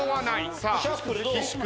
さあ岸君。